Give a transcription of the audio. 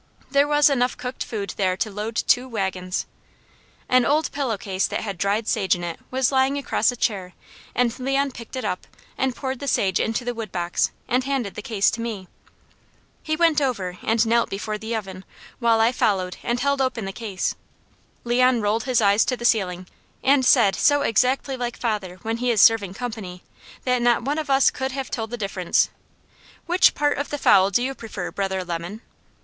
There was enough cooked food there to load two wagons. An old pillow case that had dried sage in it was lying across a chair and Leon picked it up and poured the sage into the wood box, and handed the case to me. He went over and knelt before the oven, while I followed and held open the case. Leon rolled his eyes to the ceiling and said so exactly like father when he is serving company that not one of us could have told the difference: "Which part of the fowl do you prefer, Brother Lemon?"